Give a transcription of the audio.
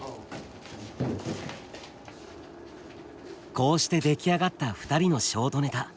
こうして出来上がった２人のショートネタ。